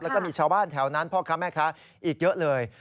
แล้วก็มีชาวบ้านแถวนั้นพ่อค้าแม่ค้าอีกเยอะเลย